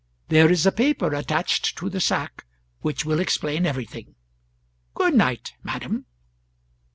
There is a paper attached to the sack which will explain everything. Good night, madam."